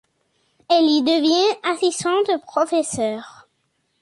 Elle y devient assistante professeure.